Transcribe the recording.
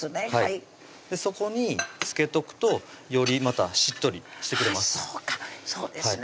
そこにつけとくとよりまたしっとりしてくれますそうかそうですね